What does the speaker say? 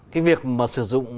cái việc mà sử dụng